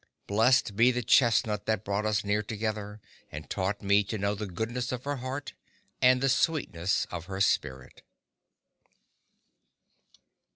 Blessed be the chestnut that brought us near together and taught me to know the goodness of her heart and the sweetness of her spirit!